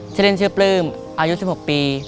เฉลี่ยชื่อปลื้มอายุ๑๖ปี